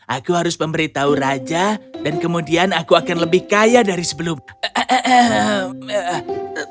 aku harus memberitahu raja dan kemudian aku akan lebih kaya dari sebelumnya